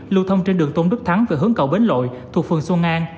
lưu thông trên đường tôn đức thắng về hướng cầu bến lội thuộc phường xuân an